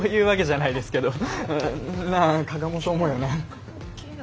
なあ加賀もそう思うよな！